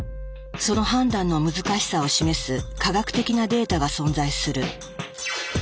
その判断の難しさを示す科学的なデータが存在する。